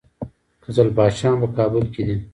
قزلباشان په کابل کې دي؟